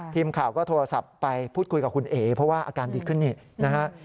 ทีมข่าวก็โทรศัพท์ไปพูดคุยกับคุณเอ๋เพราะว่าอาการดีขึ้นนี่นะฮะ